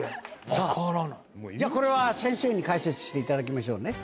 さぁこれは先生に解説していただきましょうね。